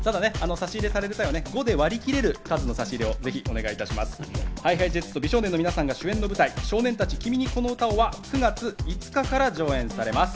差し入れる際は５で割り切れる数の差し入れをぜひお願いします。ＨｉＨｉＪｅｔｓと美少年の皆さんが主演の舞台『少年たち君にこの歌を』は９月５日から上演されます。